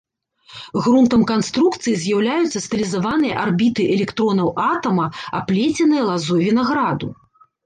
Грунтам канструкцыі з'яўляюцца стылізаваныя арбіты электронаў атама, аплеценыя лазой вінаграду.